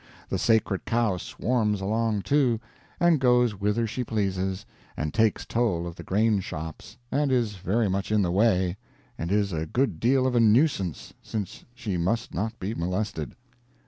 The sacred cow swarms along, too, and goes whither she pleases, and takes toll of the grain shops, and is very much in the way, and is a good deal of a nuisance, since she must not be molested.